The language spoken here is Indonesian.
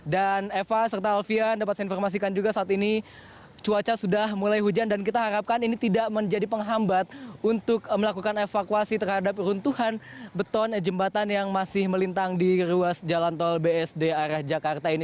dan eva serta alvia dapat saya informasikan juga saat ini cuaca sudah mulai hujan dan kita harapkan ini tidak menjadi penghambat untuk melakukan evakuasi terhadap runtuhan beton jembatan yang masih melintang di ruas jalan tol bsd arah jakarta ini